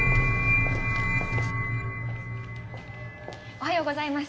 おはようございます